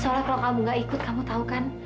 seolah kalo kamu gak ikut kamu tau kan